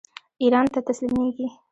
ایران ته تسلیمیږي.